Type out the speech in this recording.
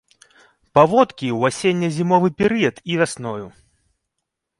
Паводкі ў асенне-зімовы перыяд і вясною.